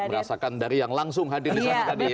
kita dapat merasakan dari yang langsung hadir disana tadi ya